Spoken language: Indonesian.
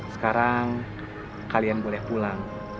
sekarang kalian boleh pulang